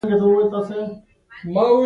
ژاوله مه ژویه!